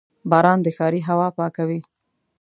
• باران د ښاري هوا پاکوي.